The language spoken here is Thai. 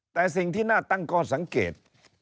แต่สิ่งที่น่าตั้งข้อสังเกต